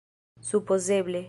supozeble